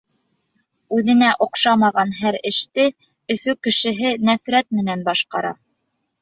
Үҙенә оҡшамаған һәр эште Өфө кешеһе нәфрәт менән башҡара.